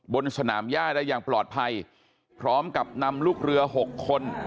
บนสนามย่าได้อย่างปลอดภัยพร้อมกับนำลูกเรือหกคน